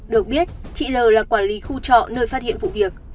được biết chị l t t l là quản lý khu trọ nơi phát hiện vụ việc